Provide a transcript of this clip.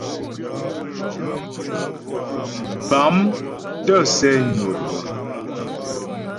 Bâm tə̂ sɛ́ nwə á.